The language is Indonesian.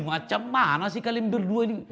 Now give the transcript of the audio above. macam mana sih kalian berdua ini